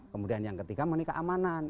kemudian yang ketiga menikah amanan